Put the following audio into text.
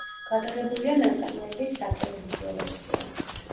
გადაღებულია ნაწარმოების სატელევიზიო ვერსია.